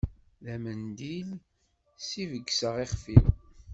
D amendil s i begseɣ ixf-iw.